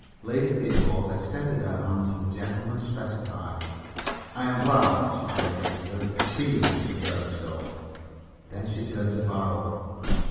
Lady Theobald extended her hand to the gentleman specified. "I am glad," she said rigidly, "to see Mr. Burmistone." Then she turned to Barold.